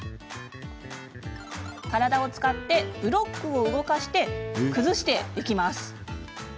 体を使ってブロックを動かし崩していきます。